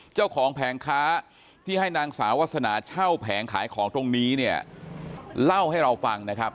แผงค้าที่ให้นางสาววาสนาเช่าแผงขายของตรงนี้เนี่ยเล่าให้เราฟังนะครับ